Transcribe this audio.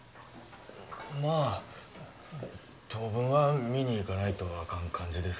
まあ当分は見に行かないとあかん感じです